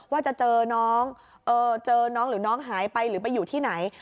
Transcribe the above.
ว่าจะเจอน้องหายไปหรือไปอยู่ที่ไหน